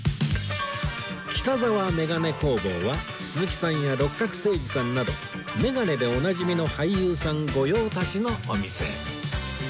北沢めがね工房は鈴木さんや六角精児さんなどメガネでおなじみの俳優さん御用達のお店